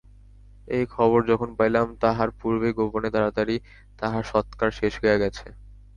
এই খবর যখন পাইলাম তাহার পূর্বেই গোপনে তাড়াতাড়ি তাহার সৎকার শেষ হইয়া গেছে।